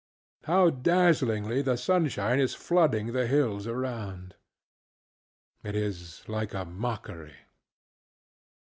How dazzlingly the sunshine is flooding the hills around! It is like a mockery.